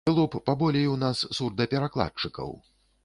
Было б паболей у нас сурдаперакладчыкаў.